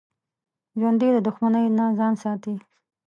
ژوندي د دښمنۍ نه ځان ساتي